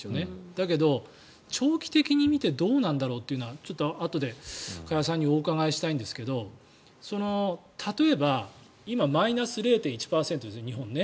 だけど長期的に見てどうなんだろうというのはあとで加谷さんにお伺いしたいんですが例えば、今マイナス０．１％ですよね日本。